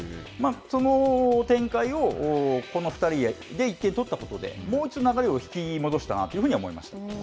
その展開をこの２人で１点取ったことで、もう一度、流れを引き戻したなと思いました。